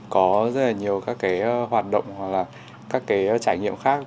có rất là nhiều các cái hoạt động hoặc là các cái trải nghiệm khác